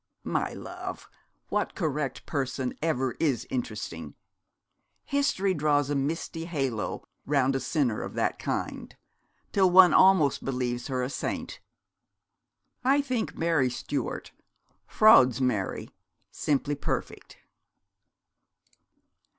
'My love, what correct person ever is interesting? History draws a misty halo round a sinner of that kind, till one almost believes her a saint. I think Mary Stuart, Froude's Mary, simply perfect.'